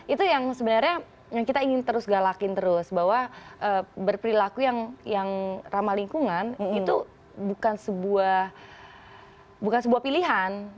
itu yang sebenarnya yang kita ingin terus galakin terus bahwa berperilaku yang ramah lingkungan itu bukan sebuah pilihan